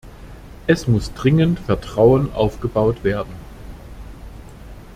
Es muss dringend Vertrauen aufgebaut werden.